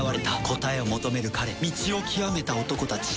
答えを求める彼道を究めた男たち。